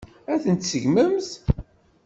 Ad ten-tseggmemt?